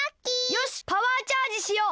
よしパワーチャージしよう。